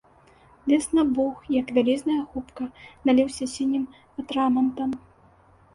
Лес набух, як вялізная губка, наліўся сінім атрамантам.